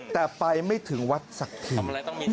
แต่ไปไม่ถึงวัดสักที